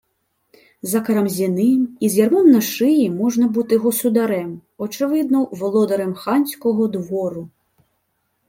За Карамзіним, і з ярмом на шиї можна бути государем, – очевидно, володарем ханського двору